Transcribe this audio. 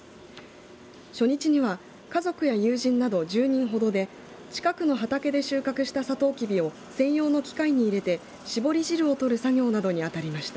初日には家族や友人など１０人ほどで近くの畑で収穫したさとうきびを専用の機械に入れて搾り汁を取る作業などにあたりました。